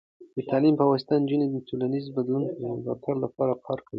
د تعلیم په واسطه، نجونې د ټولنیزو بدلونونو د ملاتړ لپاره کار کوي.